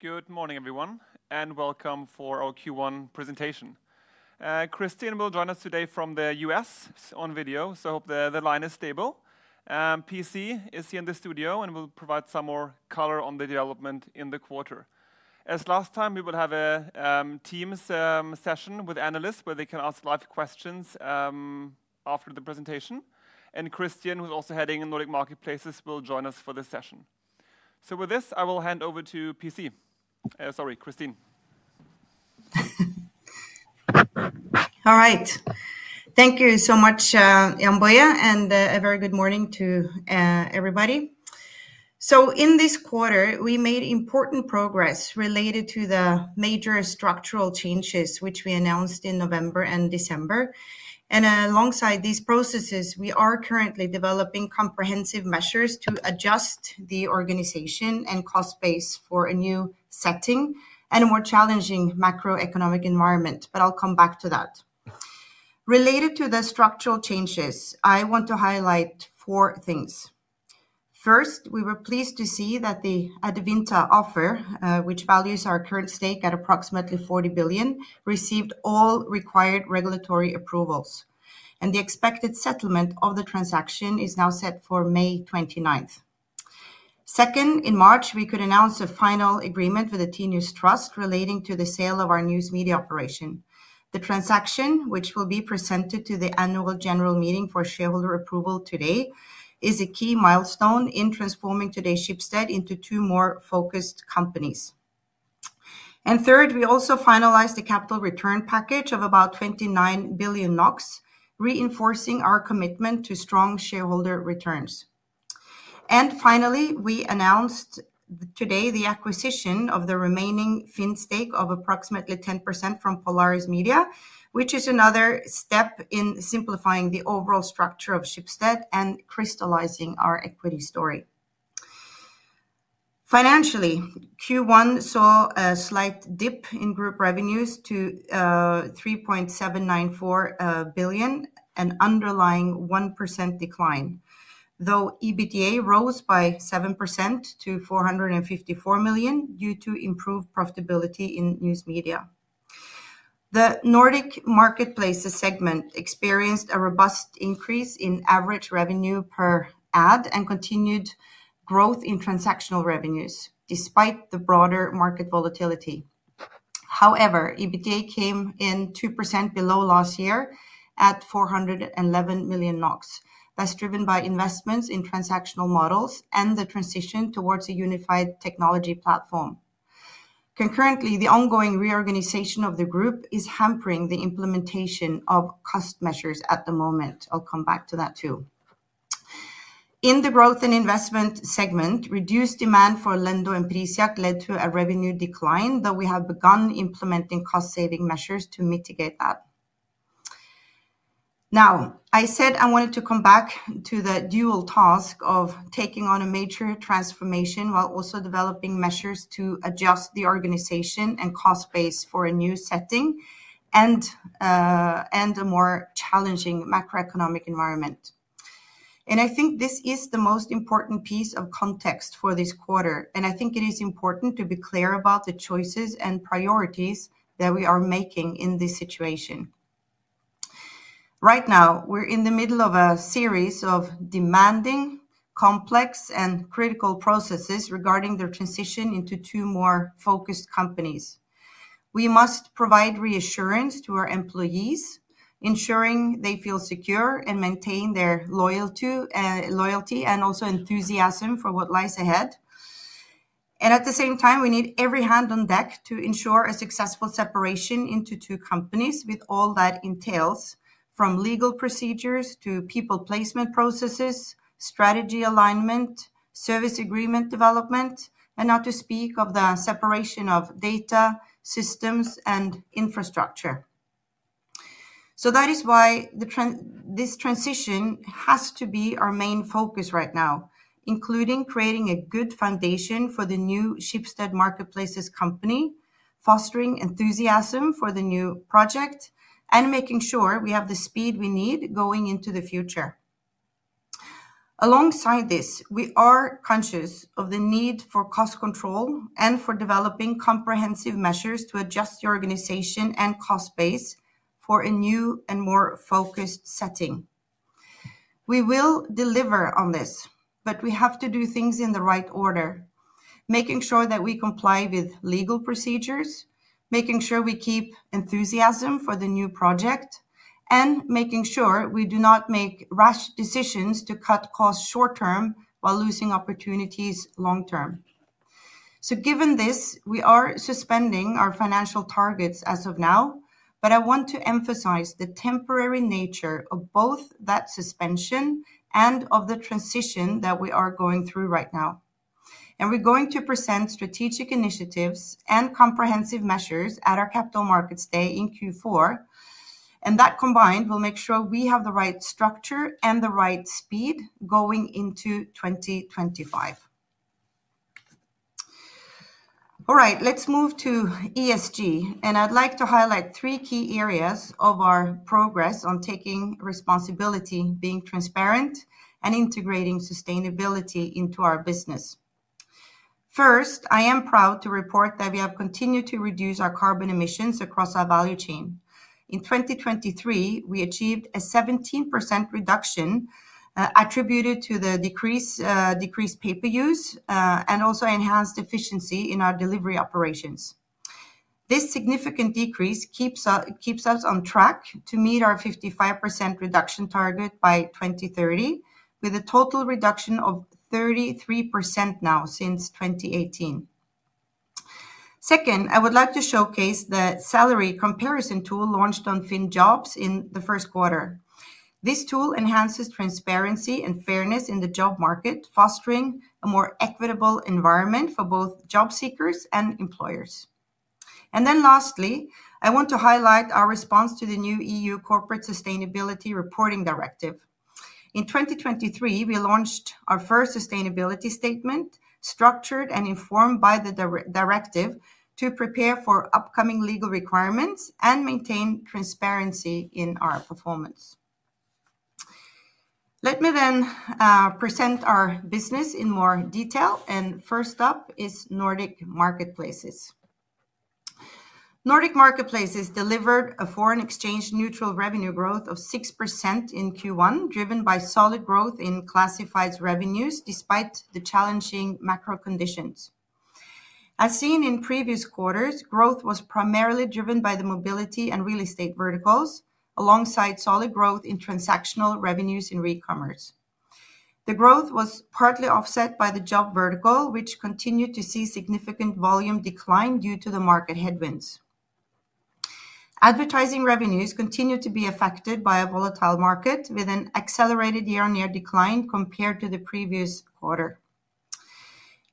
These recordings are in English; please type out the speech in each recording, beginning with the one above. Good morning, everyone, and welcome for our Q1 presentation. Kristin will join us today from the U.S. on video, so I hope the line is stable. PC is here in the studio and will provide some more color on the development in the quarter. As last time, we will have a Teams session with analysts where they can ask live questions, after the presentation, and Christian, who's also heading Nordic Marketplaces, will join us for this session. So with this, I will hand over to PC, sorry, Kristin. All right. Thank you so much, Jann-Boje, and a very good morning to everybody. So in this quarter, we made important progress related to the major structural changes which we announced in November and December, and alongside these processes, we are currently developing comprehensive measures to adjust the organization and cost base for a new setting and a more challenging macroeconomic environment, but I'll come back to that. Related to the structural changes, I want to highlight four things. First, we were pleased to see that the Adevinta offer, which values our current stake at approximately 40 billion, received all required regulatory approvals, and the expected settlement of the transaction is now set for May 29. Second, in March, we could announce a final agreement with the Tinius Trust relating to the sale of our news media operation. The transaction, which will be presented to the annual general meeting for shareholder approval today, is a key milestone in transforming today's Schibsted into two more focused companies. And third, we also finalized the capital return package of about 29 billion NOK, reinforcing our commitment to strong shareholder returns. And finally, we announced today the acquisition of the remaining FINN stake of approximately 10% from Polaris Media, which is another step in simplifying the overall structure of Schibsted and crystallizing our equity story. Financially, Q1 saw a slight dip in group revenues to 3.794 billion, an underlying 1% decline, though EBITDA rose by 7% to 454 million due to improved profitability in News Media. The Nordic Marketplaces segment experienced a robust increase in average revenue per ad and continued growth in transactional revenues despite the broader market volatility. However, EBITDA came in 2% below last year at 411 million NOK, thus driven by investments in transactional models and the transition towards a unified technology platform. Concurrently, the ongoing reorganization of the group is hampering the implementation of cost measures at the moment. I'll come back to that too. In the Growth & Investment segment, reduced demand for Lendo and Prisjakt led to a revenue decline, though we have begun implementing cost-saving measures to mitigate that. Now, I said I wanted to come back to the dual task of taking on a major transformation while also developing measures to adjust the organization and cost base for a new setting and, and a more challenging macroeconomic environment. I think this is the most important piece of context for this quarter, and I think it is important to be clear about the choices and priorities that we are making in this situation. Right now, we're in the middle of a series of demanding, complex, and critical processes regarding the transition into two more focused companies. We must provide reassurance to our employees, ensuring they feel secure and maintain their loyalty and also enthusiasm for what lies ahead. At the same time, we need every hand on deck to ensure a successful separation into two companies with all that entails, from legal procedures to people placement processes, strategy alignment, service agreement development, and not to speak of the separation of data, systems, and infrastructure. So that is why this transition has to be our main focus right now, including creating a good foundation for the new Schibsted Marketplaces company, fostering enthusiasm for the new project, and making sure we have the speed we need going into the future. Alongside this, we are conscious of the need for cost control and for developing comprehensive measures to adjust the organization and cost base for a new and more focused setting. We will deliver on this, but we have to do things in the right order, making sure that we comply with legal procedures, making sure we keep enthusiasm for the new project, and making sure we do not make rash decisions to cut costs short-term while losing opportunities long-term. So given this, we are suspending our financial targets as of now, but I want to emphasize the temporary nature of both that suspension and of the transition that we are going through right now. We're going to present strategic initiatives and comprehensive measures at our Capital Markets Day in Q4, and that combined will make sure we have the right structure and the right speed going into 2025. All right, let's move to ESG, and I'd like to highlight three key areas of our progress on taking responsibility, being transparent, and integrating sustainability into our business. First, I am proud to report that we have continued to reduce our carbon emissions across our value chain. In 2023, we achieved a 17% reduction, attributed to the decreased paper use, and also enhanced efficiency in our delivery operations. This significant decrease keeps us on track to meet our 55% reduction target by 2030, with a total reduction of 33% now since 2018. Second, I would like to showcase the Salary Comparison Tool launched on FINN jobb in the first quarter. This tool enhances transparency and fairness in the job market, fostering a more equitable environment for both job seekers and employers. And then lastly, I want to highlight our response to the new EU Corporate Sustainability Reporting Directive. In 2023, we launched our first sustainability statement, structured and informed by the directive, to prepare for upcoming legal requirements and maintain transparency in our performance. Let me then present our business in more detail, and first up is Nordic Marketplaces. Nordic Marketplaces delivered a foreign exchange-neutral revenue growth of 6% in Q1, driven by solid growth in classifieds revenues despite the challenging macro conditions. As seen in previous quarters, growth was primarily driven by the mobility and real estate verticals, alongside solid growth in transactional revenues in retail commerce. The growth was partly offset by the job vertical, which continued to see significant volume decline due to the market headwinds. Advertising revenues continued to be affected by a volatile market, with an accelerated year-on-year decline compared to the previous quarter.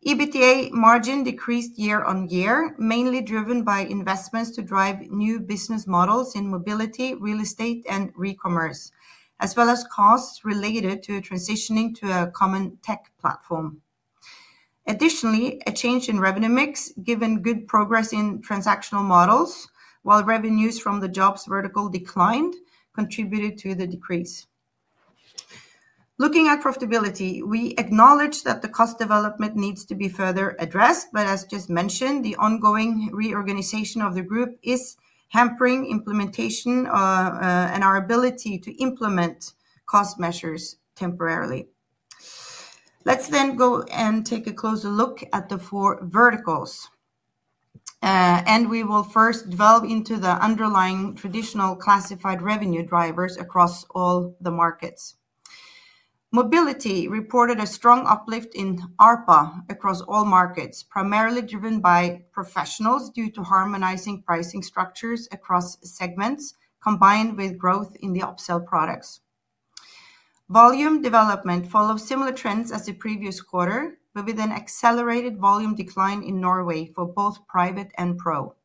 EBITDA margin decreased year-on-year, mainly driven by investments to drive new business models in mobility, real estate, and retail commerce, as well as costs related to transitioning to a common tech platform. Additionally, a change in revenue mix given good progress in transactional models, while revenues from the jobs vertical declined, contributed to the decrease. Looking at profitability, we acknowledge that the cost development needs to be further addressed, but as just mentioned, the ongoing reorganization of the group is hampering implementation, and our ability to implement cost measures temporarily. Let's then go and take a closer look at the four verticals, and we will first delve into the underlying traditional classified revenue drivers across all the markets. Mobility reported a strong uplift in ARPA across all markets, primarily driven by professionals due to harmonizing pricing structures across segments, combined with growth in the upsell products. Volume development followed similar trends as the previous quarter, but with an accelerated volume decline in Norway for both private and pro.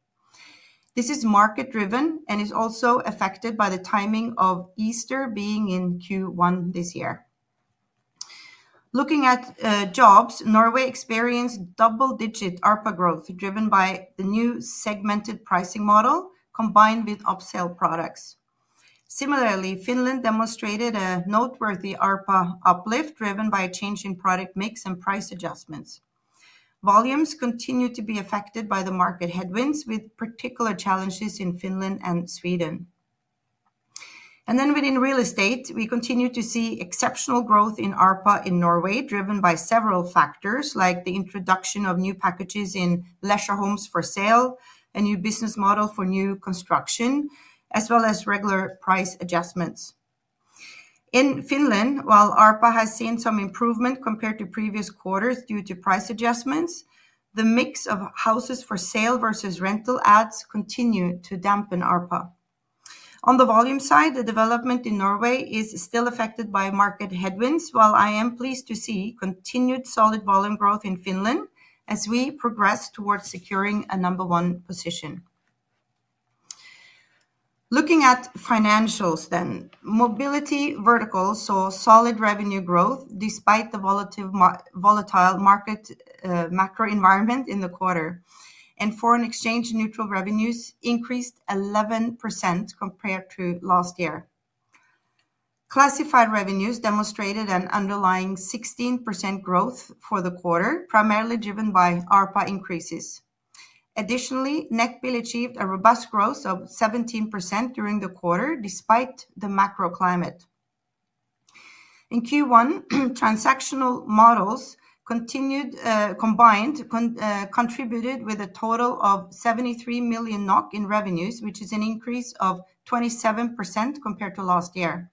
This is market-driven and is also affected by the timing of Easter being in Q1 this year. Looking at jobs, Norway experienced double-digit ARPA growth driven by the new segmented pricing model, combined with upsell products. Similarly, Finland demonstrated a noteworthy ARPA uplift driven by a change in product mix and price adjustments. Volumes continued to be affected by the market headwinds, with particular challenges in Finland and Sweden. And then within real estate, we continue to see exceptional growth in ARPA in Norway, driven by several factors like the introduction of new packages in leisure homes for sale, a new business model for new construction, as well as regular price adjustments. In Finland, while ARPA has seen some improvement compared to previous quarters due to price adjustments, the mix of houses for sale versus rental ads continued to dampen ARPA. On the volume side, the development in Norway is still affected by market headwinds, while I am pleased to see continued solid volume growth in Finland as we progress towards securing a number one position. Looking at financials then, mobility vertical saw solid revenue growth despite the volatile market, macro environment in the quarter, and foreign exchange-neutral revenues increased 11% compared to last year. Classified revenues demonstrated an underlying 16% growth for the quarter, primarily driven by ARPA increases. Additionally, Nettbil achieved a robust growth of 17% during the quarter despite the macro climate. In Q1, transactional models continued, combined, contributed with a total of 73 million NOK in revenues, which is an increase of 27% compared to last year.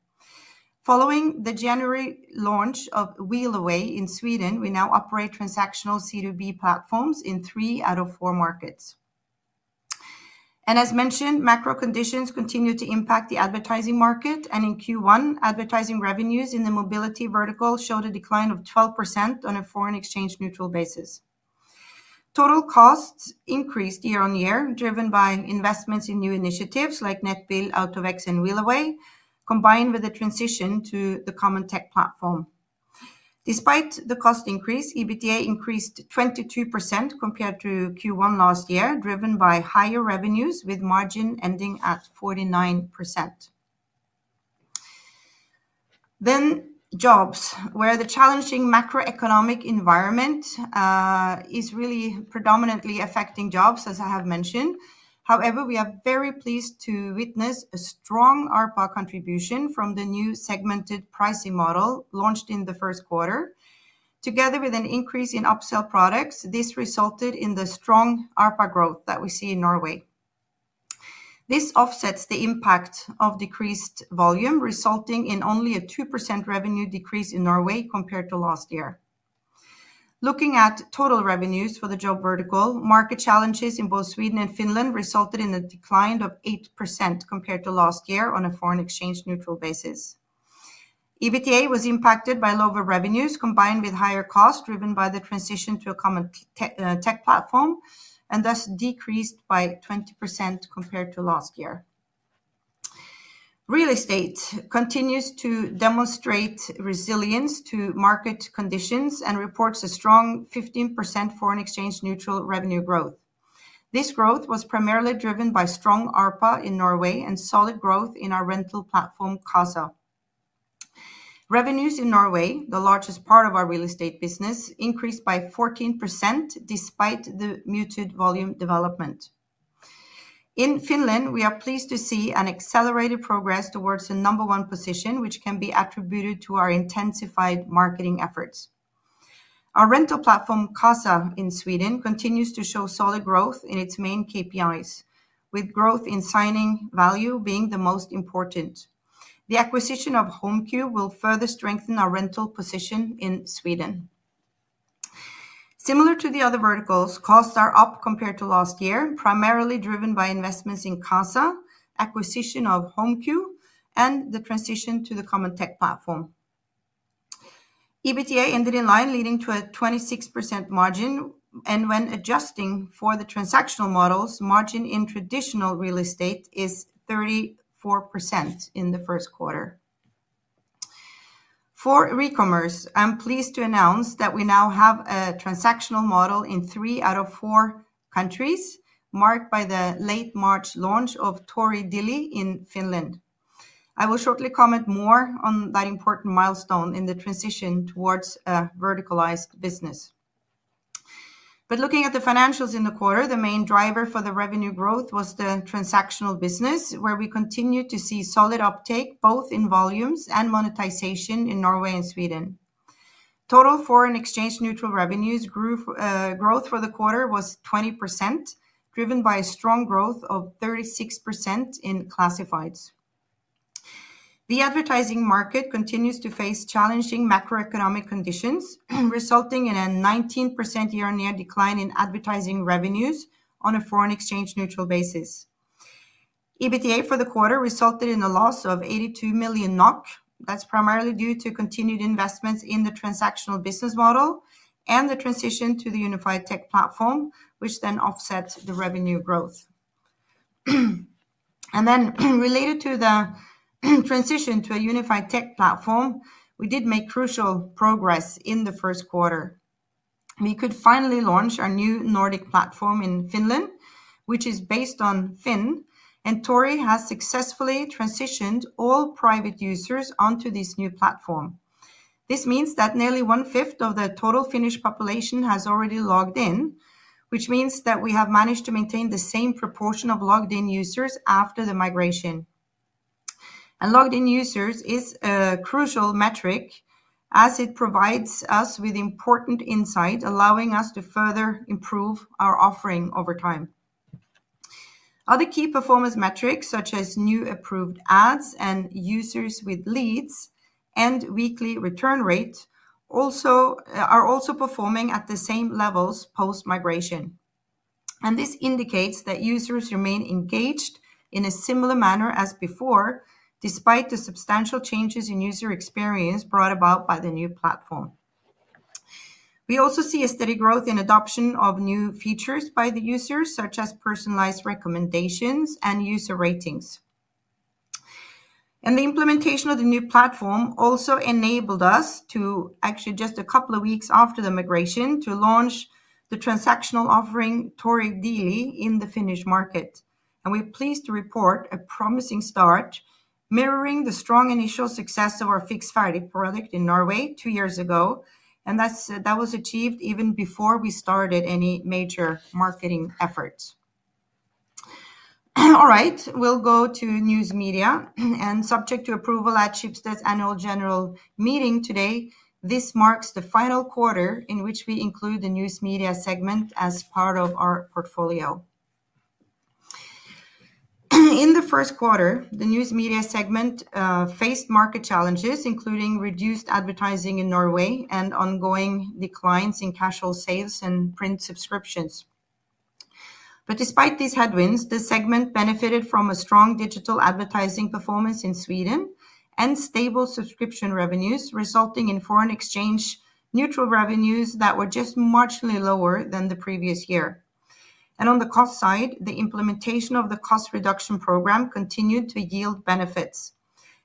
Following the January launch of Wheelaway in Sweden, we now operate transactional C2B platforms in three out of four markets. As mentioned, macro conditions continue to impact the advertising market, and in Q1, advertising revenues in the mobility vertical showed a decline of 12% on a foreign exchange-neutral basis. Total costs increased year-on-year, driven by investments in new initiatives like Nettbil, AutoVex, and Wheelaway, combined with the transition to the common tech platform. Despite the cost increase, EBITDA increased 22% compared to Q1 last year, driven by higher revenues with margin ending at 49%. Then, Jobs, where the challenging macroeconomic environment is really predominantly affecting Jobs, as I have mentioned. However, we are very pleased to witness a strong ARPA contribution from the new segmented pricing model launched in the first quarter. Together with an increase in upsell products, this resulted in the strong ARPA growth that we see in Norway. This offsets the impact of decreased volume, resulting in only a 2% revenue decrease in Norway compared to last year. Looking at total revenues for the job vertical, market challenges in both Sweden and Finland resulted in a decline of 8% compared to last year on a foreign exchange-neutral basis. EBITDA was impacted by lower revenues combined with higher costs driven by the transition to a common tech platform, and thus decreased by 20% compared to last year. Real estate continues to demonstrate resilience to market conditions and reports a strong 15% foreign exchange-neutral revenue growth. This growth was primarily driven by strong ARPA in Norway and solid growth in our rental platform, Qasa. Revenues in Norway, the largest part of our real estate business, increased by 14% despite the muted volume development. In Finland, we are pleased to see an accelerated progress towards a number one position, which can be attributed to our intensified marketing efforts. Our rental platform, Qasa, in Sweden continues to show solid growth in its main KPIs, with growth in signing value being the most important. The acquisition of HomeQ will further strengthen our rental position in Sweden. Similar to the other verticals, costs are up compared to last year, primarily driven by investments in Qasa, acquisition of HomeQ, and the transition to the common tech platform. EBITDA ended in line, leading to a 26% margin, and when adjusting for the transactional models, margin in traditional real estate is 34% in the first quarter. For Recommerce, I'm pleased to announce that we now have a transactional model in three out of four countries, marked by the late March launch of ToriDiili in Finland. I will shortly comment more on that important milestone in the transition towards a verticalized business. Looking at the financials in the quarter, the main driver for the revenue growth was the transactional business, where we continue to see solid uptake both in volumes and monetization in Norway and Sweden. Total foreign exchange-neutral revenues grew, growth for the quarter was 20%, driven by a strong growth of 36% in classifieds. The advertising market continues to face challenging macroeconomic conditions, resulting in a 19% year-on-year decline in advertising revenues on a foreign exchange-neutral basis. EBITDA for the quarter resulted in a loss of 82 million NOK. That's primarily due to continued investments in the transactional business model and the transition to the unified tech platform, which then offsets the revenue growth. Related to the transition to a unified tech platform, we did make crucial progress in the first quarter. We could finally launch our new Nordic platform in Finland, which is based on Finn, and Tori has successfully transitioned all private users onto this new platform. This means that nearly one-fifth of the total Finnish population has already logged in, which means that we have managed to maintain the same proportion of logged-in users after the migration. And logged-in users is a crucial metric as it provides us with important insights, allowing us to further improve our offering over time. Other key performance metrics, such as new approved ads and users with leads and weekly return rate, also are performing at the same levels post-migration. And this indicates that users remain engaged in a similar manner as before, despite the substantial changes in user experience brought about by the new platform. We also see a steady growth in adoption of new features by the users, such as personalized recommendations and user ratings. The implementation of the new platform also enabled us to, actually just a couple of weeks after the migration, to launch the transactional offering ToriDiili in the Finnish market. And we're pleased to report a promising start, mirroring the strong initial success of our Fiks ferdig product in Norway two years ago, and that was achieved even before we started any major marketing efforts. All right, we'll go to News Media. Subject to approval at Schibsted's annual general meeting today, this marks the final quarter in which we include the News Media segment as part of our portfolio. In the first quarter, the News Media segment faced market challenges, including reduced advertising in Norway and ongoing declines in classified sales and print subscriptions. But despite these headwinds, the segment benefited from a strong digital advertising performance in Sweden and stable subscription revenues, resulting in foreign exchange-neutral revenues that were just marginally lower than the previous year. On the cost side, the implementation of the cost reduction program continued to yield benefits.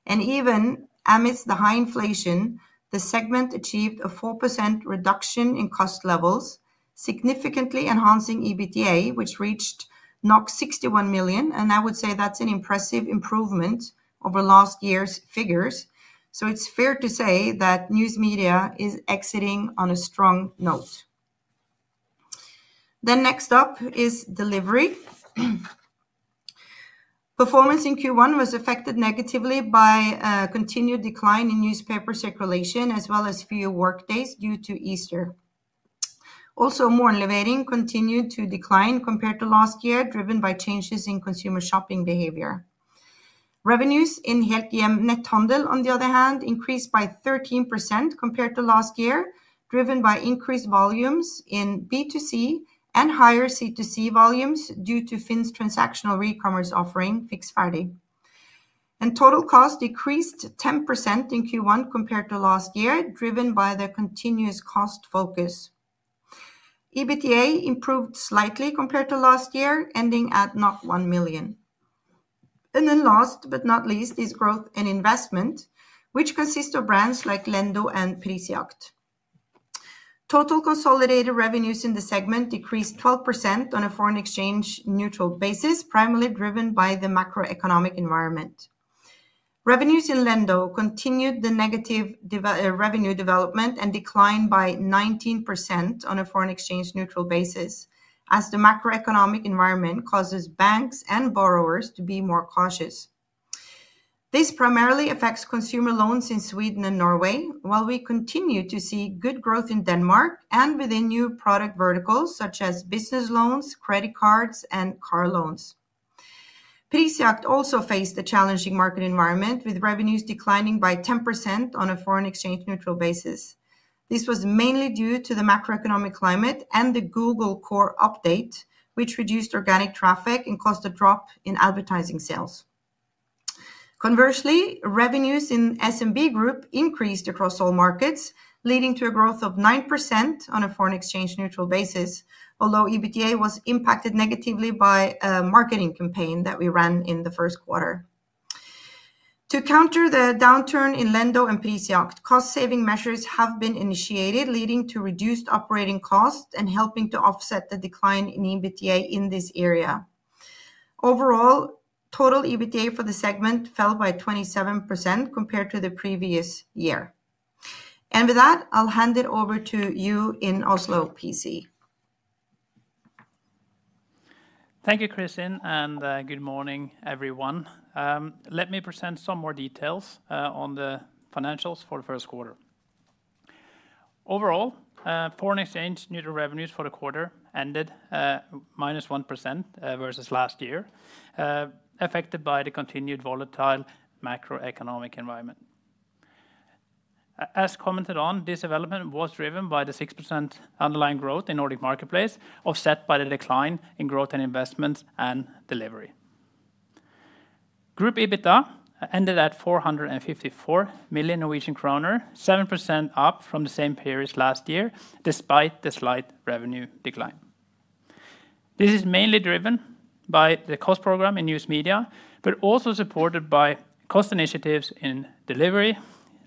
Even amidst the high inflation, the segment achieved a 4% reduction in cost levels, significantly enhancing EBITDA, which reached 61 million, and I would say that's an impressive improvement over last year's figures. It's fair to say that News Media is exiting on a strong note. Next up is delivery. Performance in Q1 was affected negatively by a continued decline in newspaper circulation, as well as fewer workdays due to Easter. Also, Morgenlevering continued to decline compared to last year, driven by changes in consumer shopping behavior. Revenues in Helthjem Netthandel, on the other hand, increased by 13% compared to last year, driven by increased volumes in B2C and higher C2C volumes due to Finn's transactional retail commerce offering, Fiks ferdig. Total costs decreased 10% in Q1 compared to last year, driven by the continuous cost focus. EBITDA improved slightly compared to last year, ending at 1 million. Then last but not least is Growth & Investment, which consists of brands like Lendo and Prisjakt. Total consolidated revenues in the segment decreased 12% on a foreign exchange-neutral basis, primarily driven by the macroeconomic environment. Revenues in Lendo continued the negative revenue development and decline by 19% on a foreign exchange-neutral basis, as the macroeconomic environment causes banks and borrowers to be more cautious. This primarily affects consumer loans in Sweden and Norway, while we continue to see good growth in Denmark and within new product verticals such as business loans, credit cards, and car loans. Prisjakt also faced a challenging market environment, with revenues declining by 10% on a foreign exchange-neutral basis. This was mainly due to the macroeconomic climate and the Google Core update, which reduced organic traffic and caused a drop in advertising sales. Conversely, revenues in SMB Group increased across all markets, leading to a growth of 9% on a foreign exchange-neutral basis, although EBITDA was impacted negatively by a marketing campaign that we ran in the first quarter. To counter the downturn in Lendo and Prisjakt, cost-saving measures have been initiated, leading to reduced operating costs and helping to offset the decline in EBITDA in this area. Overall, total EBITDA for the segment fell by 27% compared to the previous year. With that, I'll hand it over to you in Oslo, PC. Thank you, Kristin, and good morning, everyone. Let me present some more details on the financials for the first quarter. Overall, foreign exchange-neutral revenues for the quarter ended -1% versus last year, affected by the continued volatile macroeconomic environment. As commented on, this development was driven by the 6% underlying growth in Nordic Marketplace, offset by the decline in Growth & Investments and delivery. Group EBITDA ended at 454 million Norwegian kroner, 7% up from the same period last year, despite the slight revenue decline. This is mainly driven by the cost program in News Media, but also supported by cost initiatives in delivery,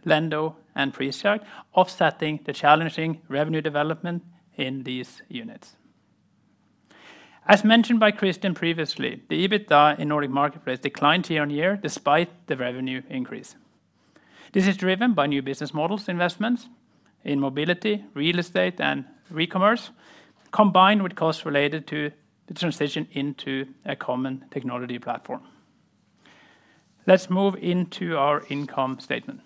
Lendo and Prisjakt, offsetting the challenging revenue development in these units. As mentioned by Kristin previously, the EBITDA in Nordic Marketplaces declined year-on-year despite the revenue increase. This is driven by new business models, investments in mobility, real estate, and retail commerce, combined with costs related to the transition into a common technology platform. Let's move into our income statement.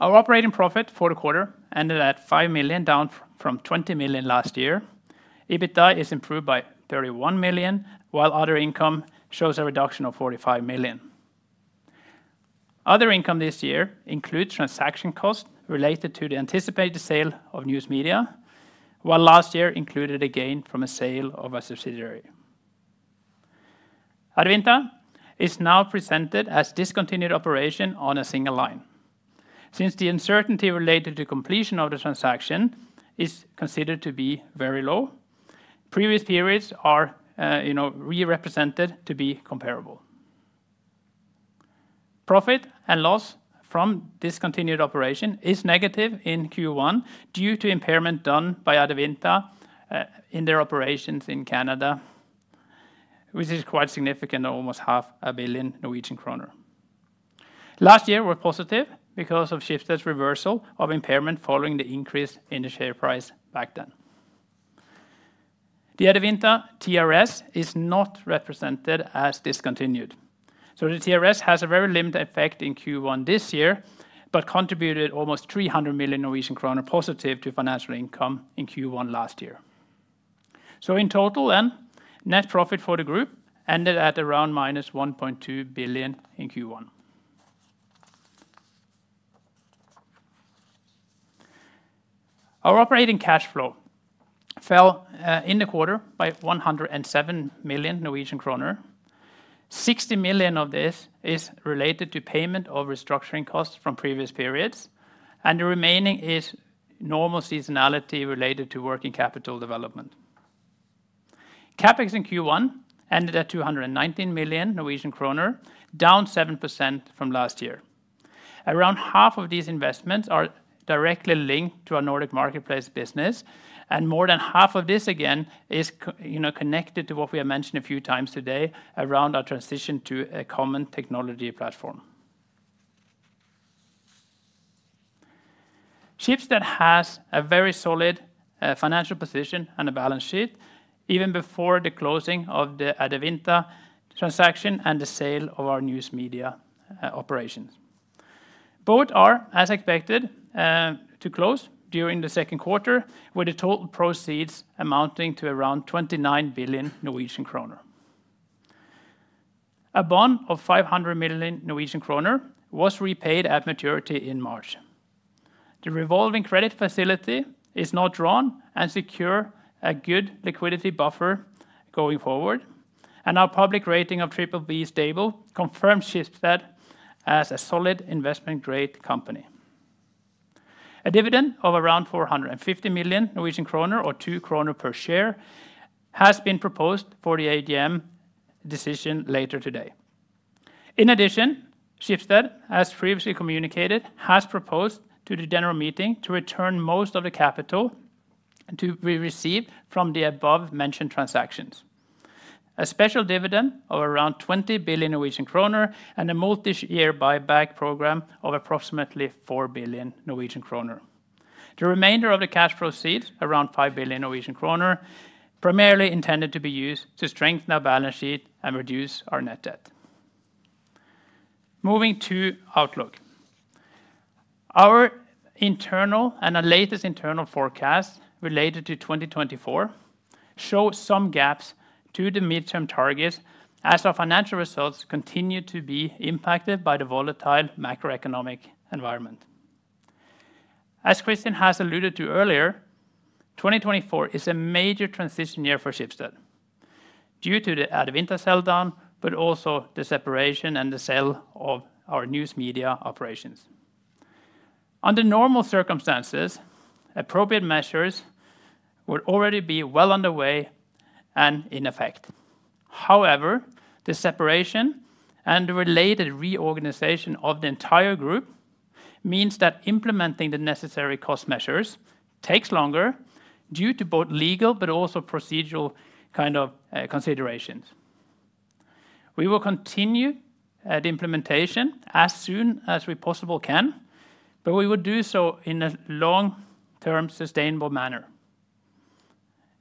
Our operating profit for the quarter ended at 5 million, down from 20 million last year. EBITDA is improved by 31 million, while other income shows a reduction of 45 million. Other income this year includes transaction costs related to the anticipated sale of News Media, while last year included a gain from a sale of a subsidiary. Adevinta is now presented as discontinued operation on a single line. Since the uncertainty related to completion of the transaction is considered to be very low, previous periods are re-represented to be comparable. Profit and loss from discontinued operation is negative in Q1 due to impairment done by Adevinta in their operations in Canada, which is quite significant, almost 500 million Norwegian kroner. Last year was positive because of Schibsted's reversal of impairment following the increase in the share price back then. The Adevinta TRS is not represented as discontinued. So the TRS has a very limited effect in Q1 this year, but contributed almost 300 million Norwegian kroner positive to financial income in Q1 last year. So in total, then, net profit for the group ended at around -1.2 billion in Q1. Our operating cash flow fell in the quarter by 107 million Norwegian kroner. 60 million of this is related to payment of restructuring costs from previous periods, and the remaining is normal seasonality related to working capital development. CapEx in Q1 ended at 219 million Norwegian kroner, down 7% from last year. Around half of these investments are directly linked to our Nordic Marketplace business, and more than half of this, again, is connected to what we have mentioned a few times today around our transition to a common technology platform. Schibsted has a very solid financial position and a balance sheet, even before the closing of the Adevinta transaction and the sale of our news media operations. Both are, as expected, to close during the second quarter, with the total proceeds amounting to around 29 billion Norwegian kroner. A bond of 500 million Norwegian kroner was repaid at maturity in March. The revolving credit facility is now drawn and secures a good liquidity buffer going forward, and our public rating of BBB stable confirms Schibsted as a solid investment-grade company. A dividend of around 450 million Norwegian kroner, or 2 kroner per share, has been proposed for the AGM decision later today. In addition, Schibsted, as previously communicated, has proposed to the general meeting to return most of the capital to be received from the above-mentioned transactions: a special dividend of around 20 billion Norwegian kroner and a multi-year buyback program of approximately 4 billion Norwegian kroner. The remainder of the cash proceeds, around 5 billion Norwegian kroner, is primarily intended to be used to strengthen our balance sheet and reduce our net debt. Moving to Outlook. Our internal and our latest internal forecasts related to 2024 show some gaps to the midterm targets as our financial results continue to be impacted by the volatile macroeconomic environment. As Kristin has alluded to earlier, 2024 is a major transition year for Schibsted, due to the Adevinta sell-down, but also the separation and the sale of our News Media operations. Under normal circumstances, appropriate measures would already be well underway and in effect. However, the separation and the related reorganization of the entire group means that implementing the necessary cost measures takes longer due to both legal but also procedural kind of considerations. We will continue the implementation as soon as we possibly can, but we will do so in a long-term sustainable manner,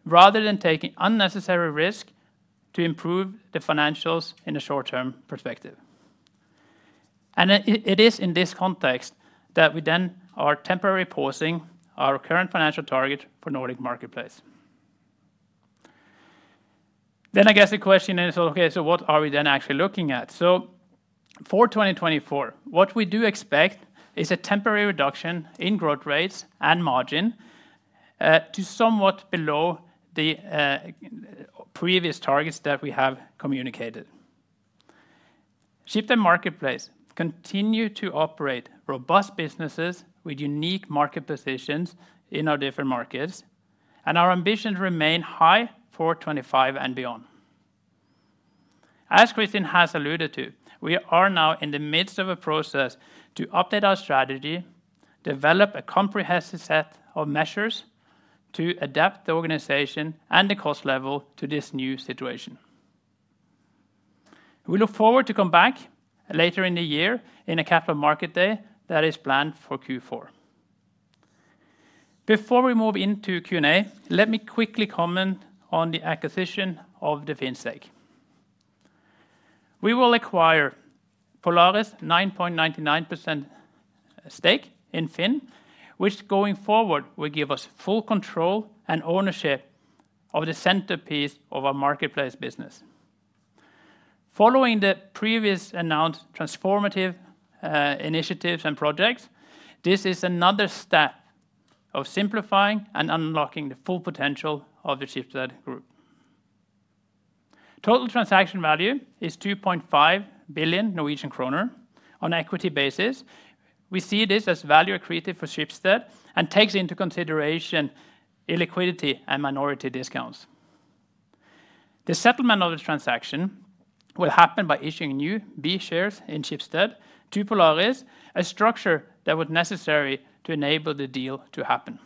rather than taking unnecessary risks to improve the financials in a short-term perspective. And it is in this context that we then are temporarily pausing our current financial target for Nordic Marketplaces. Then I guess the question is, okay, so what are we then actually looking at? So for 2024, what we do expect is a temporary reduction in growth rates and margin to somewhat below the previous targets that we have communicated. Schibsted Marketplace continues to operate robust businesses with unique market positions in our different markets, and our ambitions remain high for 2025 and beyond. As Kristin has alluded to, we are now in the midst of a process to update our strategy, develop a comprehensive set of measures to adapt the organization and the cost level to this new situation. We look forward to coming back later in the year in a Capital Markets Day that is planned for Q4. Before we move into Q&A, let me quickly comment on the acquisition of the FINN stake. We will acquire Polaris Media's 9.99% stake in FINN, which going forward will give us full control and ownership of the centerpiece of our marketplace business. Following the previously announced transformative initiatives and projects, this is another step of simplifying and unlocking the full potential of the Schibsted Group. Total transaction value is 2.5 billion Norwegian kroner on equity basis. We see this as value accretive for Schibsted and takes into consideration illiquidity and minority discounts. The settlement of the transaction will happen by issuing new B-shares in Schibsted to Polaris Media, a structure that was necessary to enable the deal to happen.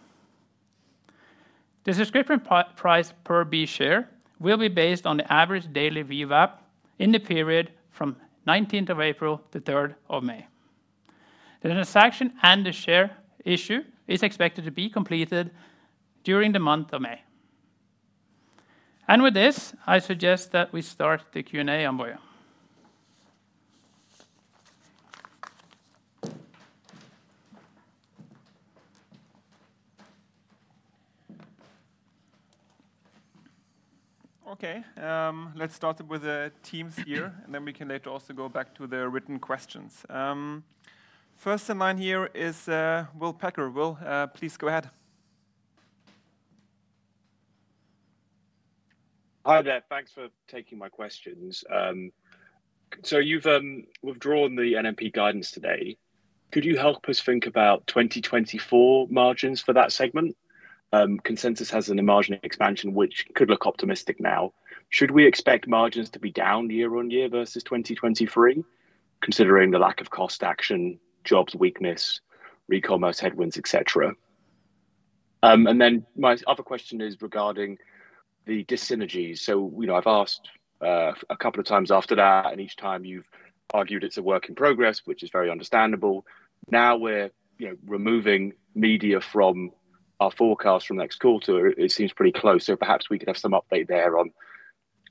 The subscription price per B-share will be based on the average daily VWAP in the period from 19 April to 3 May. The transaction and the share issue are expected to be completed during the month of May. And with this, I suggest that we start the Q&A now. Okay, let's start with the Teams here, and then we can later also go back to the written questions. First in line here is Will Packer. Will, please go ahead. Hi there, thanks for taking my questions. So you've withdrawn the NMP guidance today. Could you help us think about 2024 margins for that segment? Consensus has a margin expansion, which could look optimistic now. Should we expect margins to be down year on year versus 2023, considering the lack of cost action, jobs weakness, retail commerce headwinds, etc.? And then my other question is regarding the dissynergies. So I've asked a couple of times after that, and each time you've argued it's a work in progress, which is very understandable. Now we're removing media from our forecast from next quarter. It seems pretty close, so perhaps we could have some update there on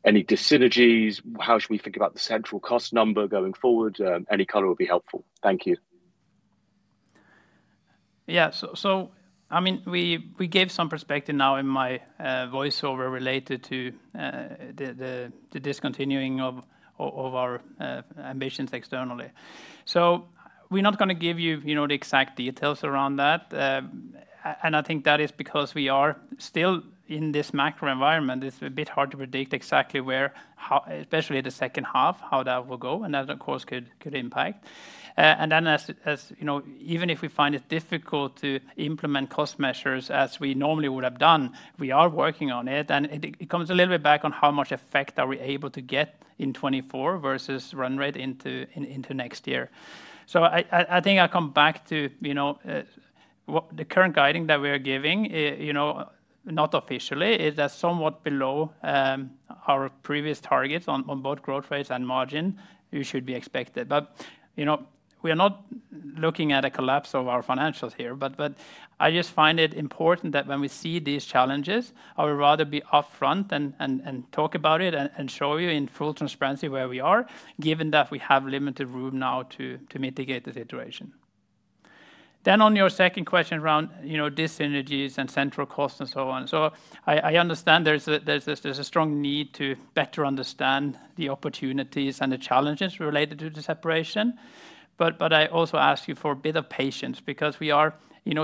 any dissynergies. How should we think about the central cost number going forward? Any color would be helpful. Thank you. Yeah, so I mean, we gave some perspective now in my voiceover related to the discontinuing of our ambitions externally. So we're not going to give you the exact details around that, and I think that is because we are still in this macro environment. It's a bit hard to predict exactly where, especially the second half, how that will go, and that, of course, could impact. And then, even if we find it difficult to implement cost measures as we normally would have done, we are working on it, and it comes a little bit back on how much effect are we able to get in 2024 versus run rate into next year. So I think I'll come back to the current guiding that we are giving, not officially. It is somewhat below our previous targets on both growth rates and margin you should be expected. But we are not looking at a collapse of our financials here, but I just find it important that when we see these challenges, I would rather be upfront and talk about it and show you in full transparency where we are, given that we have limited room now to mitigate the situation. On your second question around dissynergies and central costs and so on, so I understand there's a strong need to better understand the opportunities and the challenges related to the separation, but I also ask you for a bit of patience because we are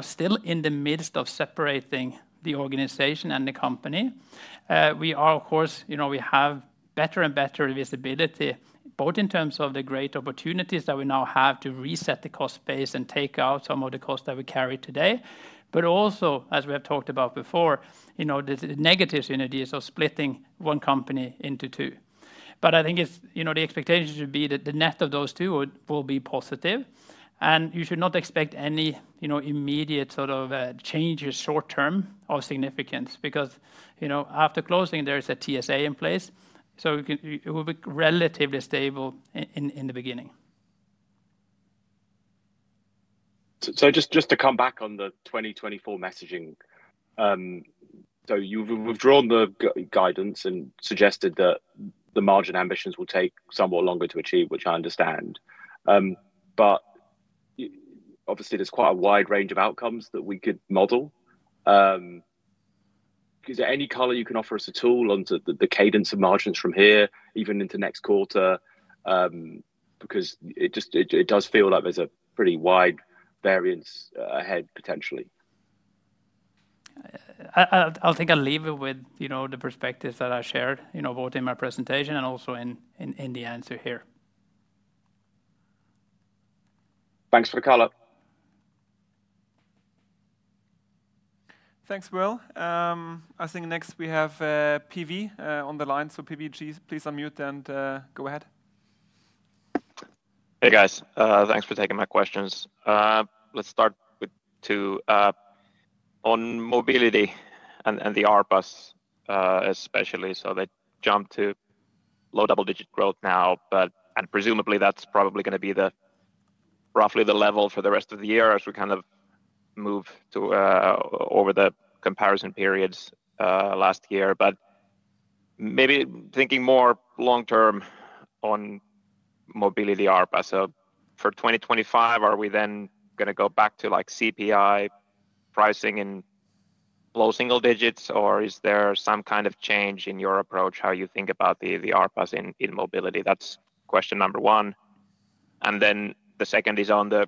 still in the midst of separating the organization and the company. We are, of course, we have better and better visibility both in terms of the great opportunities that we now have to reset the cost base and take out some of the costs that we carry today, but also, as we have talked about before, the negative synergies of splitting one company into two. But I think the expectation should be that the net of those two will be positive, and you should not expect any immediate sort of changes short-term of significance because after closing, there is a TSA in place, so it will be relatively stable in the beginning. So just to come back on the 2024 messaging. So you've withdrawn the guidance and suggested that the margin ambitions will take somewhat longer to achieve, which I understand. But obviously, there's quite a wide range of outcomes that we could model. Is there any color you can offer us at all on the cadence of margins from here, even into next quarter? Because it does feel like there's a pretty wide variance ahead potentially. I think I'll leave it with the perspectives that I shared both in my presentation and also in the answer here. Thanks for the color. Thanks, Will. I think next we have PV on the line, so PV, please unmute and go ahead. Hey guys, thanks for taking my questions. Let's start with two. On mobility and the ARPAs especially, so they jumped to low double-digit growth now, and presumably that's probably going to be roughly the level for the rest of the year as we kind of move over the comparison periods last year. But maybe thinking more long-term on mobility ARPAs, so for 2025, are we then going to go back to CPI pricing in low single digits, or is there some kind of change in your approach, how you think about the ARPAs in mobility? That's question number one. And then the second is on the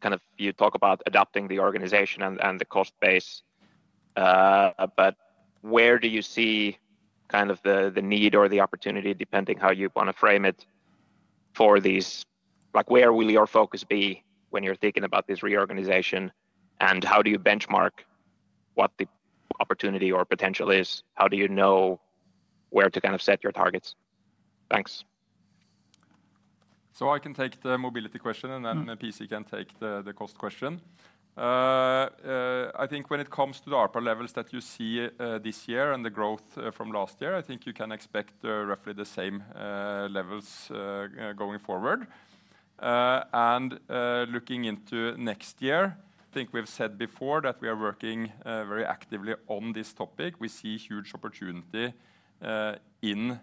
kind of you talk about adapting the organization and the cost base, but where do you see kind of the need or the opportunity, depending how you want to frame it, for these where will your focus be when you're thinking about this reorganization, and how do you benchmark what the opportunity or potential is? How do you know where to kind of set your targets? Thanks. So I can take the mobility question and then PC can take the cost question. I think when it comes to the ARPA levels that you see this year and the growth from last year, I think you can expect roughly the same levels going forward. Looking into next year, I think we've said before that we are working very actively on this topic. We see huge opportunity in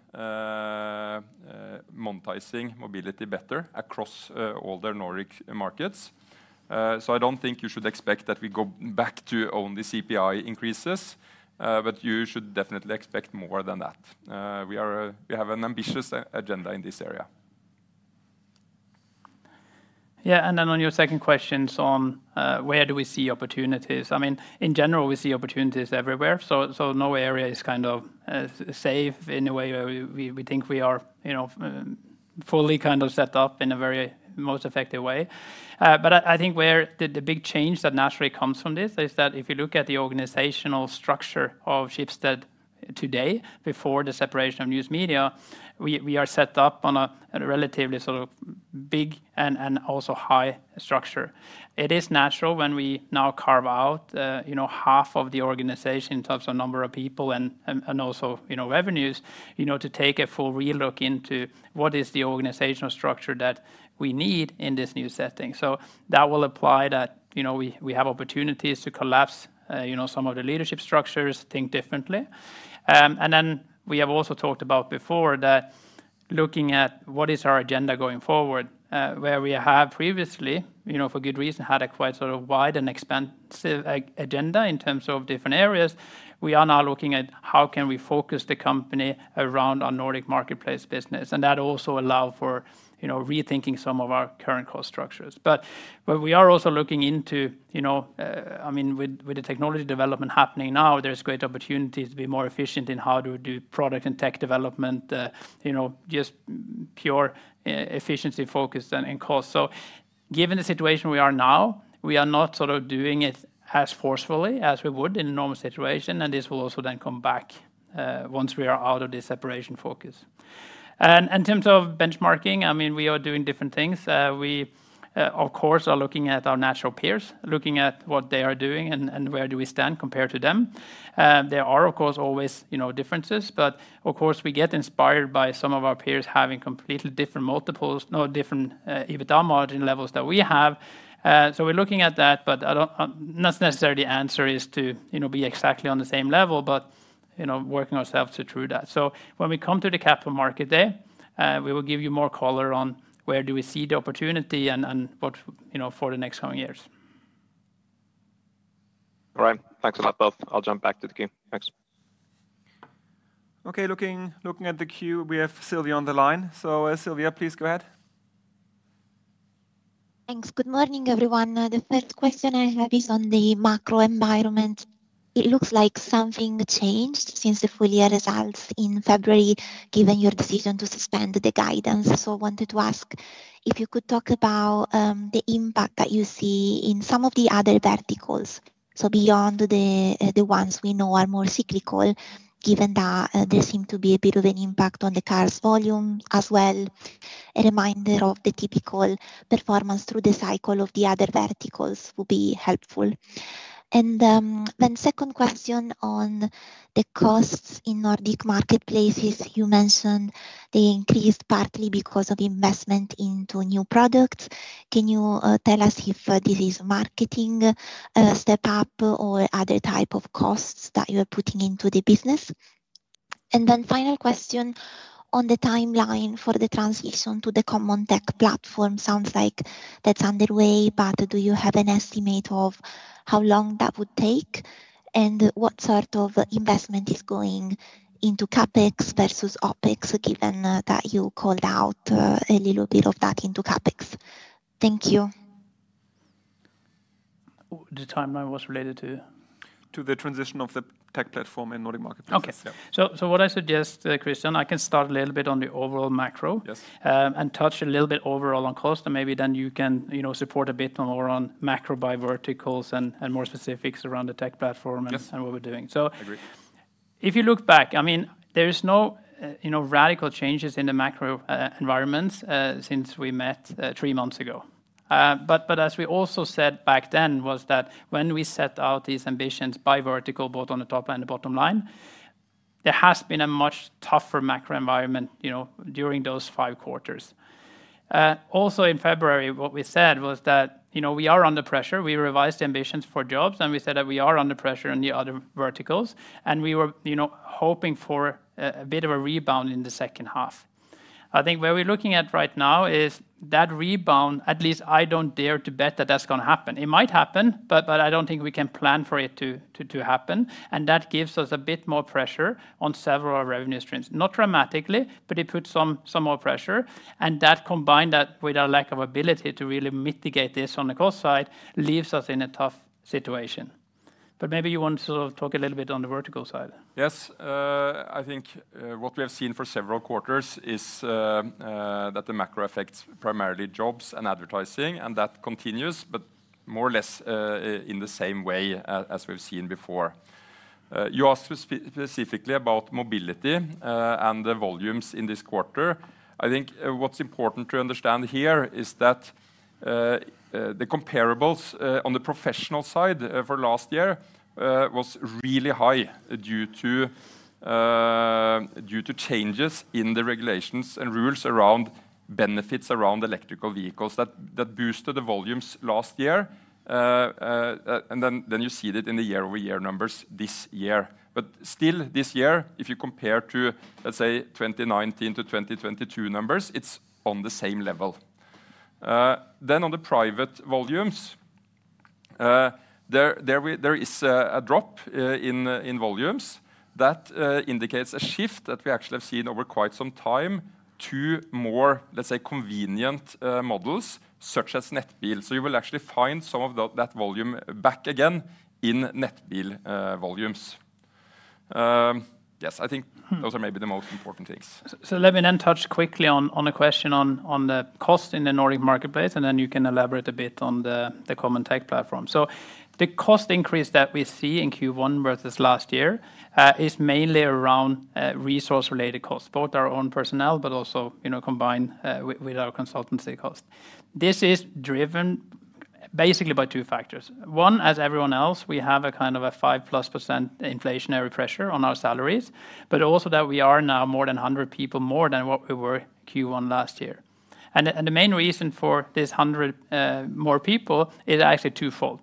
monetizing mobility better across all the Nordic markets. I don't think you should expect that we go back to only CPI increases, but you should definitely expect more than that. We have an ambitious agenda in this area. Yeah, and then on your second question on where do we see opportunities? I mean, in general, we see opportunities everywhere, so no area is kind of safe in a way where we think we are fully kind of set up in a very most effective way. But I think where the big change that naturally comes from this is that if you look at the organizational structure of Schibsted today, before the separation of News Media, we are set up on a relatively sort of big and also high structure. It is natural when we now carve out half of the organization in terms of number of people and also revenues to take a full relook into what is the organizational structure that we need in this new setting. So that will apply that we have opportunities to collapse some of the leadership structures, think differently. Then we have also talked about before that, looking at what is our agenda going forward, where we have previously, for good reason, had a quite sort of wide and expansive agenda in terms of different areas. We are now looking at how can we focus the company around our Nordic Marketplaces business, and that also allows for rethinking some of our current cost structures. But we are also looking into—I mean, with the technology development happening now—there's great opportunity to be more efficient in how to do product and tech development, just pure efficiency focused and cost. So given the situation we are now, we are not sort of doing it as forcefully as we would in a normal situation, and this will also then come back once we are out of this separation focus. And in terms of benchmarking, I mean, we are doing different things. We, of course, are looking at our natural peers, looking at what they are doing and where do we stand compared to them. There are, of course, always differences, but of course, we get inspired by some of our peers having completely different multiples, different EBITDA margin levels that we have. So we're looking at that, but not necessarily the answer is to be exactly on the same level, but working ourselves through that. So when we come to the Capital Markets Day, we will give you more color on where do we see the opportunity and what for the next coming years. All right, thanks a lot both. I'll jump back to the queue. Thanks. Okay, looking at the queue, we have Silvia on the line. So Silvia, please go ahead. Thanks. Good morning, everyone. The first question I have is on the macro environment. It looks like something changed since the full year results in February given your decision to suspend the guidance, so I wanted to ask if you could talk about the impact that you see in some of the other verticals, so beyond the ones we know are more cyclical, given that there seemed to be a bit of an impact on the cars volume as well. A reminder of the typical performance through the cycle of the other verticals would be helpful. And then second question on the costs in Nordic marketplaces, you mentioned they increased partly because of investment into new products. Can you tell us if this is marketing step-up or other type of costs that you are putting into the business? And then final question, on the timeline for the transition to the common tech platform, sounds like that's underway, but do you have an estimate of how long that would take and what sort of investment is going into CapEx versus OpEx, given that you called out a little bit of that into CapEx? Thank you. The timeline was related to? To the transition of the tech platform in Nordic marketplaces. Okay. So what I suggest, Christian, I can start a little bit on the overall macro and touch a little bit overall on cost, and maybe then you can support a bit more on macro by verticals and more specifics around the tech platform and what we're doing. So if you look back, I mean, there are no radical changes in the macro environments since we met three months ago. But as we also said back then was that when we set out these ambitions by vertical, both on the top and the bottom line, there has been a much tougher macro environment during those five quarters. Also in February, what we said was that we are under pressure. We revised the ambitions for jobs, and we said that we are under pressure in the other verticals, and we were hoping for a bit of a rebound in the second half. I think where we're looking at right now is that rebound, at least I don't dare to bet that that's going to happen. It might happen, but I don't think we can plan for it to happen, and that gives us a bit more pressure on several revenue streams. Not dramatically, but it puts some more pressure, and that combined with our lack of ability to really mitigate this on the cost side leaves us in a tough situation. But maybe you want to sort of talk a little bit on the vertical side. Yes. I think what we have seen for several quarters is that the macro affects primarily jobs and advertising, and that continues, but more or less in the same way as we've seen before. You asked specifically about mobility and the volumes in this quarter. I think what's important to understand here is that the comparables on the professional side for last year was really high due to changes in the regulations and rules around benefits around electric vehicles that boosted the volumes last year. And then you see it in the year-over-year numbers this year. But still, this year, if you compare to, let's say, 2019 to 2022 numbers, it's on the same level. Then on the private volumes, there is a drop in volumes that indicates a shift that we actually have seen over quite some time to more, let's say, convenient models, such as Nettbil. So you will actually find some of that volume back again in Nettbil volumes. Yes, I think those are maybe the most important things. So let me then touch quickly on a question on the cost in the Nordic marketplace, and then you can elaborate a bit on the common tech platform. So the cost increase that we see in Q1 versus last year is mainly around resource-related costs, both our own personnel, but also combined with our consultancy costs. This is driven basically by two factors. One, as everyone else, we have a kind of 5%+ inflationary pressure on our salaries, but also that we are now more than 100 people more than what we were Q1 last year. The main reason for this 100 more people is actually twofold.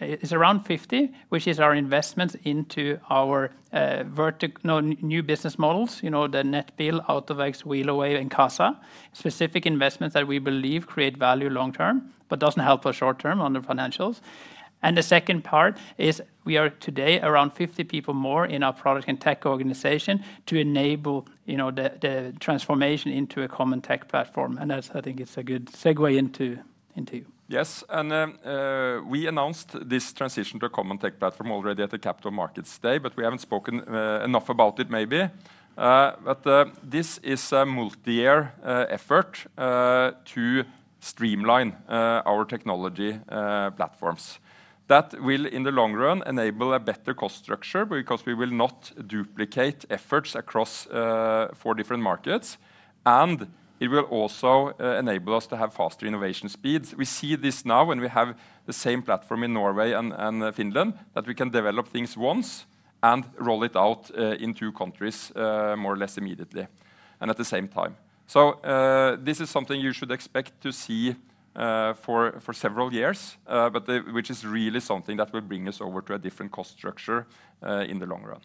It's around 50, which is our investments into our new business models, the Nettbil, AutoVex, Wheelaway, and Qasa, specific investments that we believe create value long-term but doesn't help us short-term on the financials. The second part is we are today around 50 people more in our product and tech organization to enable the transformation into a common tech platform. I think it's a good segue into you. Yes. We announced this transition to a common tech platform already at the Capital Markets Day, but we haven't spoken enough about it maybe. But this is a multi-year effort to streamline our technology platforms. That will, in the long run, enable a better cost structure because we will not duplicate efforts across four different markets, and it will also enable us to have faster innovation speeds. We see this now when we have the same platform in Norway and Finland that we can develop things once and roll it out in two countries more or less immediately and at the same time. So this is something you should expect to see for several years, which is really something that will bring us over to a different cost structure in the long run.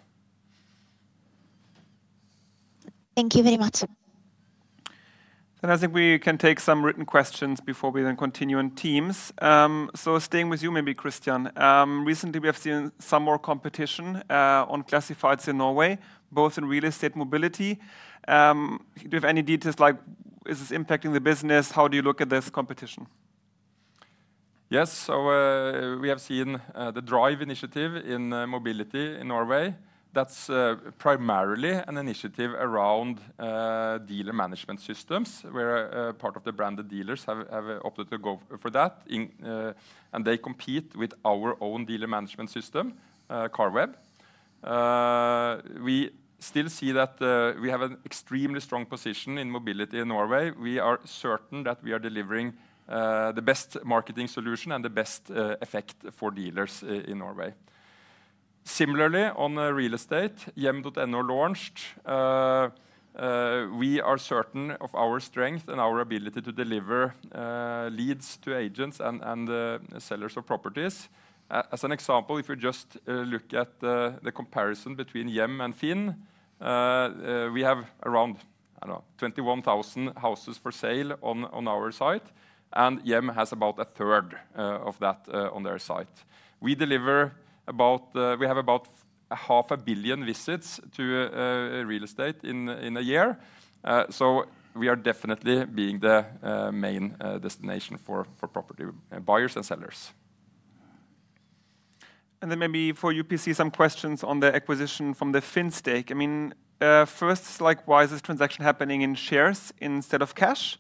Thank you very much. Then I think we can take some written questions before we then continue in Teams. So staying with you maybe, Christian. Recently, we have seen some more competition on classifieds in Norway, both in real estate mobility. Do you have any details like is this impacting the business? How do you look at this competition? Yes. So we have seen the Drive initiative in mobility in Norway. That's primarily an initiative around dealer management systems where part of the branded dealers have opted to go for that, and they compete with our own dealer management system, Carweb. We still see that we have an extremely strong position in mobility in Norway. We are certain that we are delivering the best marketing solution and the best effect for dealers in Norway. Similarly, on real estate, Hjem.no launched. We are certain of our strength and our ability to deliver leads to agents and sellers of properties. As an example, if you just look at the comparison between Hjem and FINN, we have around, I don't know, 21,000 houses for sale on our site, and Hjem has about a third of that on their site. We have about 500 million visits to real estate in a year. So we are definitely being the main destination for property buyers and sellers. Then maybe for PC, some questions on the acquisition from the FINN stake. I mean, first, it's like, why is this transaction happening in shares instead of cash?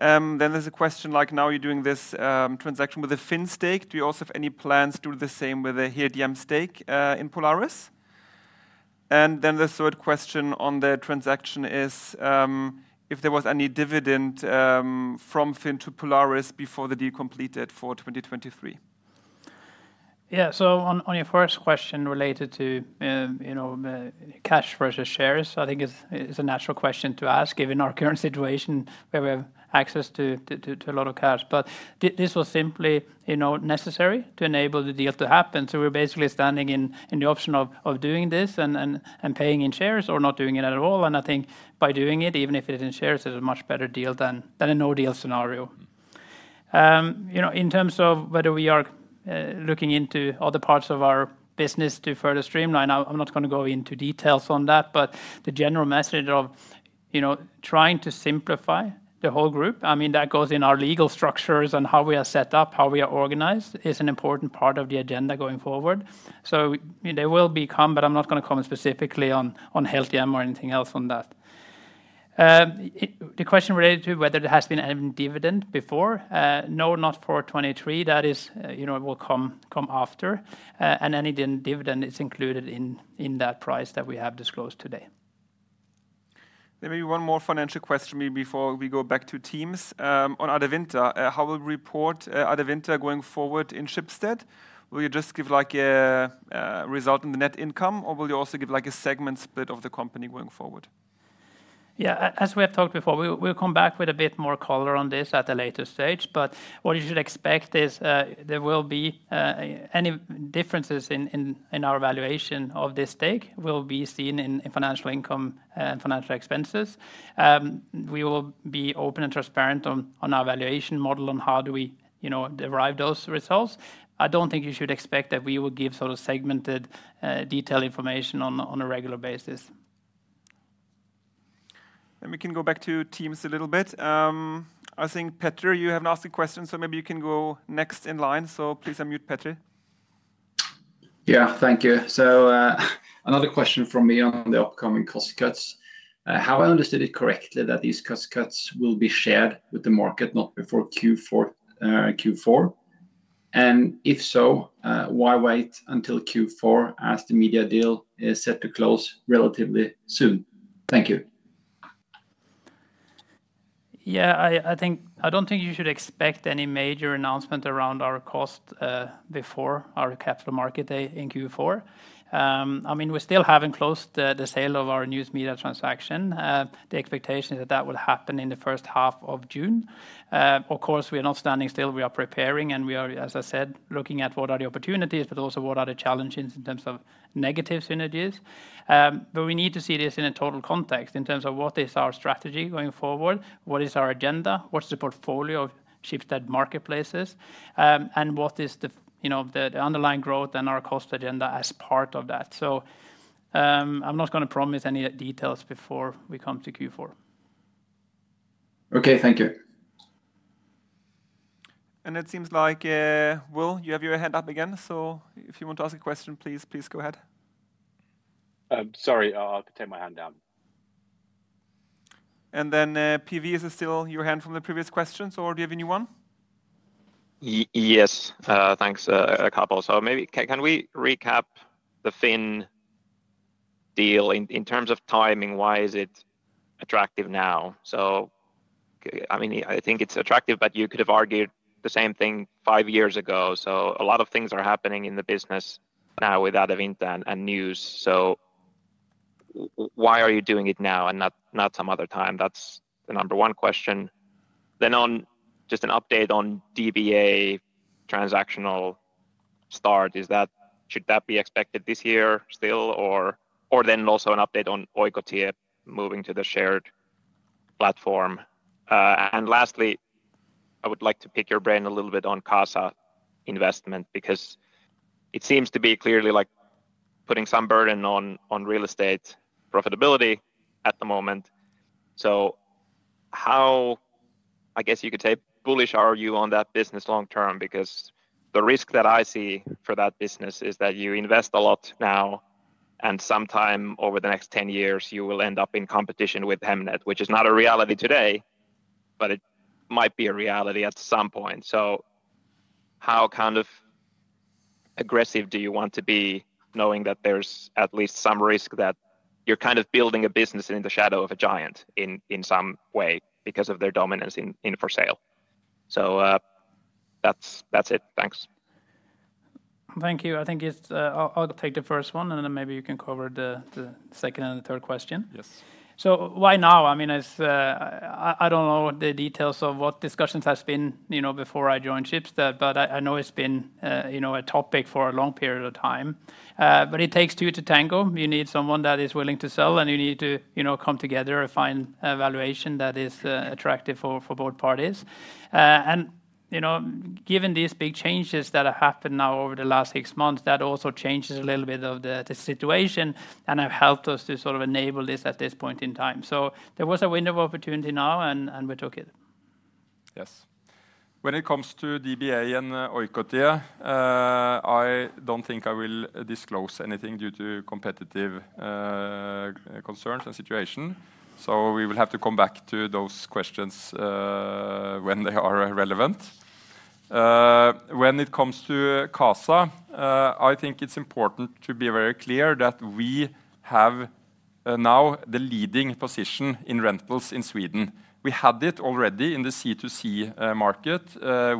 Then there's a question like, now you're doing this transaction with a FINN stake. Do you also have any plans to do the same with a Helthjem stake in Polaris? And then the third question on the transaction is if there was any dividend from FINN to Polaris before the deal completed for 2023? Yeah. So on your first question related to cash versus shares, I think it's a natural question to ask given our current situation where we have access to a lot of cash. But this was simply necessary to enable the deal to happen. So we're basically standing in the option of doing this and paying in shares or not doing it at all. And I think by doing it, even if it is in shares, it's a much better deal than a no-deal scenario. In terms of whether we are looking into other parts of our business to further streamline, I'm not going to go into details on that. But the general message of trying to simplify the whole group, I mean, that goes in our legal structures and how we are set up, how we are organized, is an important part of the agenda going forward. So they will become, but I'm not going to comment specifically on the dividend or anything else on that. The question related to whether there has been any dividend before, no, not for 2023. That will come after. And any dividend is included in that price that we have disclosed today. Maybe one more financial question before we go back to Teams. On Adevinta, how will we report Adevinta going forward in Schibsted? Will you just give a result in the net income, or will you also give a segment split of the company going forward? Yeah. As we have talked before, we'll come back with a bit more color on this at a later stage. But what you should expect is there will be any differences in our valuation of this stake will be seen in financial income and financial expenses. We will be open and transparent on our valuation model on how do we derive those results. I don't think you should expect that we will give sort of segmented detailed information on a regular basis. We can go back to Teams a little bit. I think, Peter, you have asked a question, so maybe you can go next in line. So please unmute, Peter. Yeah. Thank you. So another question from me on the upcoming cost cuts. Have I understood it correctly that these cost cuts will be shared with the market not before Q4? And if so, why wait until Q4 as the media deal is set to close relatively soon? Thank you. Yeah. I don't think you should expect any major announcement around our costs before our Capital Markets Day in Q4. I mean, we still haven't closed the sale of our News Media transaction. The expectation is that that will happen in the first half of June. Of course, we are not standing still. We are preparing. We are, as I said, looking at what are the opportunities, but also what are the challenges in terms of negative synergies. We need to see this in a total context in terms of what is our strategy going forward, what is our agenda, what's the portfolio of Schibsted marketplaces, and what is the underlying growth and our cost agenda as part of that. I'm not going to promise any details before we come to Q4. Okay. Thank you. It seems like, Will, you have your hand up again. So if you want to ask a question, please go ahead. Sorry. I'll take my hand down. And then PV, is it still your hand from the previous questions, or do you have a new one? Yes. Thanks. A couple. So maybe can we recap the Finn deal? In terms of timing, why is it attractive now? So I mean, I think it's attractive, but you could have argued the same thing five years ago. So a lot of things are happening in the business now with Adevinta and news. So why are you doing it now and not some other time? That's the number one question. Then just an update on DBA transactional start. Should that be expected this year still, or then also an update on Oikotie moving to the shared platform? And lastly, I would like to pick your brain a little bit on Qasa investment because it seems to be clearly putting some burden on real estate profitability at the moment. So, I guess you could say bullish are you on that business long-term? Because the risk that I see for that business is that you invest a lot now, and sometime over the next 10 years, you will end up in competition with Hemnet, which is not a reality today, but it might be a reality at some point. So how kind of aggressive do you want to be knowing that there's at least some risk that you're kind of building a business in the shadow of a giant in some way because of their dominance in for sale? So that's it. Thanks. Thank you. I think I'll take the first one, and then maybe you can cover the second and the third question. So why now? I mean, I don't know the details of what discussions have been before I joined Schibsted, but I know it's been a topic for a long period of time. But it takes two to tango. You need someone that is willing to sell, and you need to come together and find a valuation that is attractive for both parties. And given these big changes that have happened now over the last six months, that also changes a little bit of the situation and have helped us to sort of enable this at this point in time. So there was a window of opportunity now, and we took it. Yes. When it comes to DBA and Oikotie, I don't think I will disclose anything due to competitive concerns and situation. So we will have to come back to those questions when they are relevant. When it comes to Qasa, I think it's important to be very clear that we have now the leading position in rentals in Sweden. We had it already in the C2C market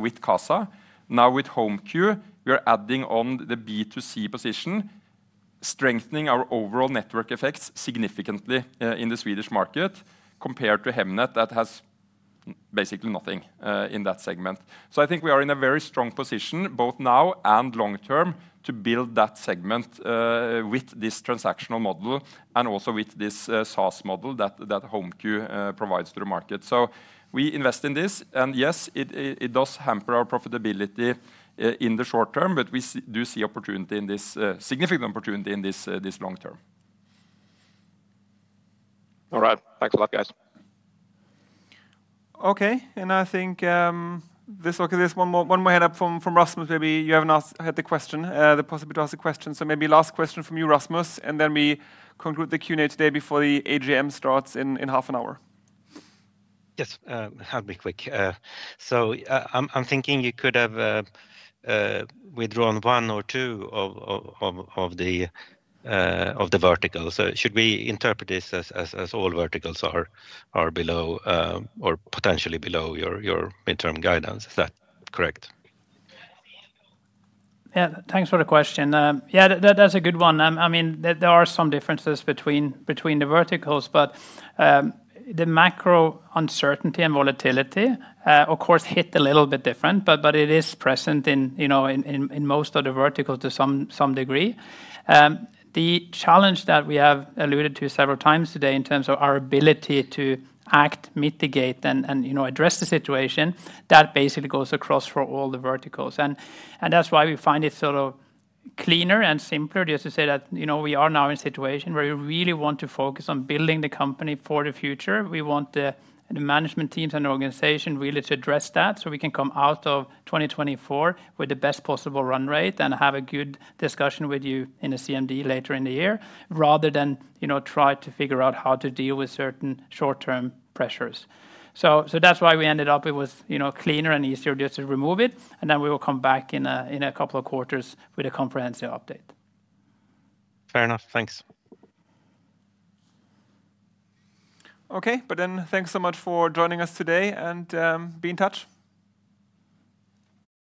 with Qasa. Now with HomeQ, we are adding on the B2C position, strengthening our overall network effects significantly in the Swedish market compared to Hemnet that has basically nothing in that segment. So I think we are in a very strong position both now and long-term to build that segment with this transactional model and also with this SaaS model that HomeQ provides to the market. So we invest in this. And yes, it does hamper our profitability in the short term, but we do see opportunity in this significant opportunity in this long-term. All right. Thanks a lot, guys. Okay. And I think this is one more heads-up from Rasmus. Maybe you haven't had the question, the possibility to ask a question. So maybe last question from you, Rasmus, and then we conclude the Q&A today before the AGM starts in half an hour. Yes. Have me quick. So I'm thinking you could have withdrawn one or two of the verticals. So should we interpret this as all verticals are below or potentially below your midterm guidance? Is that correct? Yeah. Thanks for the question. Yeah. That's a good one. I mean, there are some differences between the verticals, but the macro uncertainty and volatility, of course, hit a little bit different, but it is present in most of the verticals to some degree. The challenge that we have alluded to several times today in terms of our ability to act, mitigate, and address the situation, that basically goes across for all the verticals. That's why we find it sort of cleaner and simpler just to say that we are now in a situation where we really want to focus on building the company for the future. We want the management teams and organization really to address that so we can come out of 2024 with the best possible run rate and have a good discussion with you in a CMD later in the year rather than try to figure out how to deal with certain short-term pressures. So that's why we ended up it was cleaner and easier just to remove it. And then we will come back in a couple of quarters with a comprehensive update. Fair enough. Thanks. Okay. But then thanks so much for joining us today and being in touch.